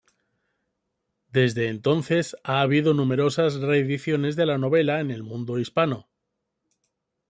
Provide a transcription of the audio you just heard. Desde entonces, ha habido numerosas reediciones de la novela en el mundo hispano.